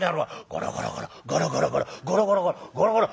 「ゴロゴロゴロゴロゴロゴロゴロゴロゴロゴロゴロ」。